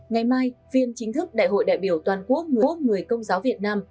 ngày mai viên chính thức đại hội đại biểu toàn quốc người công giáo việt nam